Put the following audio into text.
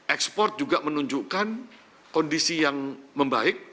ekspor juga menunjukkan kondisi yang membaik